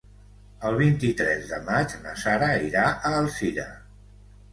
El vint-i-tres de maig na Sara irà a Alzira.